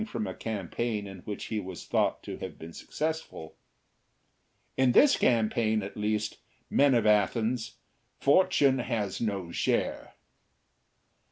from a campaign in which he was thought to have been successful: "In this campaign, at least, men of Athens, Fortune has no share."